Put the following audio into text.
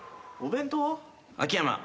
お弁当は？